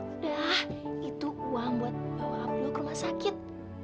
udah itu uang buat bawa ke rumah sakit